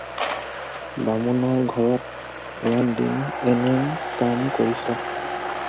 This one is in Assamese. বামুণৰ ঘৰত ইমান দিন এনেয়ে কাম কৰিছ।